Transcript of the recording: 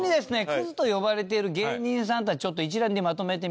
クズと呼ばれている芸人さんたちちょっと一覧にまとめてみました。